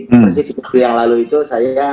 persis minggu yang lalu itu saya